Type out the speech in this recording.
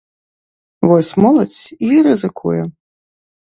Вось моладзь і рызыкуе.